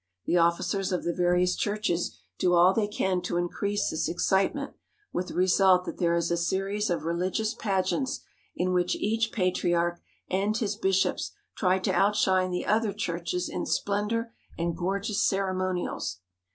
The officers of the various churches do all they can to increase this excitement, with the result that there is a series of re ligious pageants in which each patriarch and his bishops try to outshine the other churches in splendour and gorgeous ceremonials.